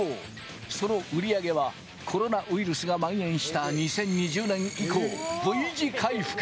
その売り上げはコロナウイルスがまん延した２０２０年以降、Ｖ字回復。